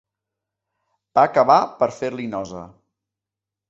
Va acabar per fer-li nosa.